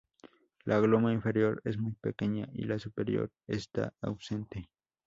La gluma inferior es muy pequeña y la superior está ausente.